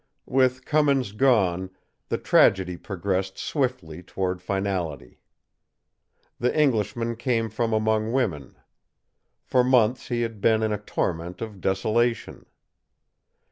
With Cummins gone, the tragedy progressed swiftly toward finality. The Englishman came from among women. For months he had been in a torment of desolation.